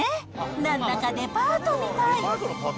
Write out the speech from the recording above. なんだかデパートみたい。